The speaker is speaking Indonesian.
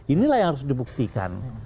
inilah yang harus dibuktikan